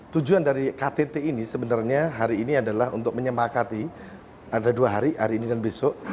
tujuan dari ktt ini sebenarnya hari ini adalah untuk menyemakati ada dua hari hari ini dan besok